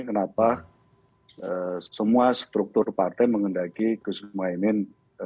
kenapa semua struktur partai mengendaki khusn mwahimin